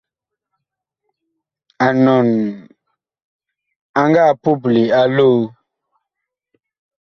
Anɔn ag nga puple a loo.